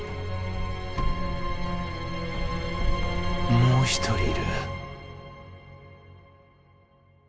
もう一人いる。